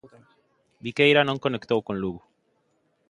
Viqueira non conectou con Lugo.